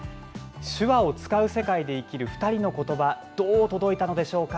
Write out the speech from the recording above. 手話を使う世界で生きる２人の言葉どう届いたのでしょうか。